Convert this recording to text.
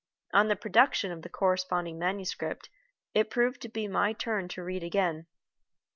On the production of the corresponding manuscript it proved to be my turn to read again.